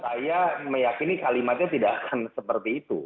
saya meyakini kalimatnya tidak akan seperti itu